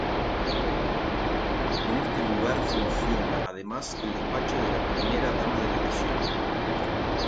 En este lugar funciona además el Despacho de la Primera Dama de la Nación.